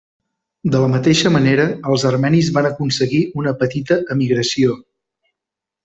De la mateixa manera, els armenis van aconseguir una petita emigració.